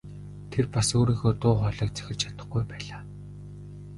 Тэр бас өөрийнхөө дуу хоолойг захирч чадахгүй байлаа.